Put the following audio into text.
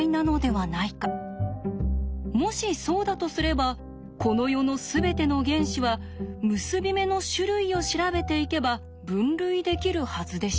もしそうだとすればこの世の全ての原子は結び目の種類を調べていけば分類できるはずでした。